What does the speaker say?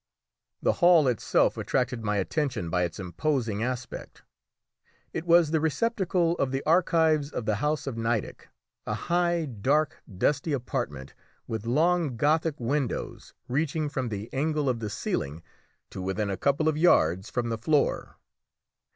The hall itself attracted my attention by its imposing aspect. It was the receptacle of the archives of the house of Nideck, a high, dark, dusty apartment, with long Gothic windows, reaching from the angle of the ceiling to within a couple of yards from the floor.